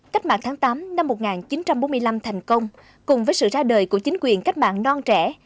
cách mạng tháng tám năm một nghìn chín trăm bốn mươi năm thành công cùng với sự ra đời của chính quyền cách mạng non trẻ